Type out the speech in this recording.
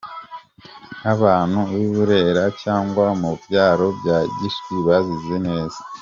Nk’abantu b’i Burera cyangwa mu byaro bya Giswi bazizi neza.